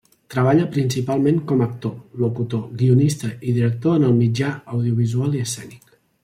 Treballa principalment com a actor, locutor, guionista i director en el mitjà audiovisual i escènic.